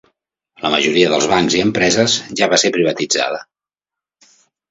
La majoria dels bancs i empreses ja va ser privatitzada.